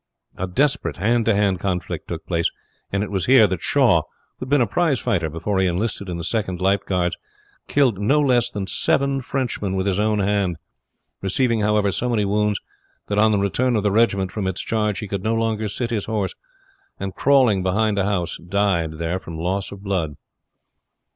A desperate hand to hand conflict took place; and it was here that Shaw, who had been a prize fighter before he enlisted in the Second Life Guards, killed no less than seven Frenchmen with his own hand, receiving, however, so many wounds, that on the return of the regiment from its charge he could no longer sit his horse, and crawling behind a house died there from loss of blood.